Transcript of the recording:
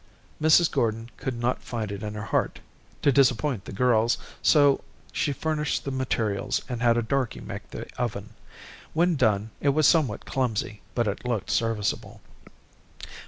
Mrs. Gordon could not find it in her heart to disappoint the girls, so she furnished the materials, and had a darky make the oven. When done, it was somewhat clumsy, but it looked serviceable.